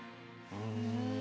うん。